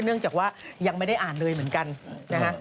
เนื่องจากว่ายังไม่ได้อ่านเลยเหมือนกันนะฮะ